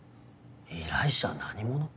依頼者は何者？